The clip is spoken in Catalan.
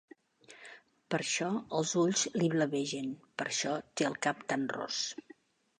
Per això els ulls li blavegen, per això té el cap tan ros.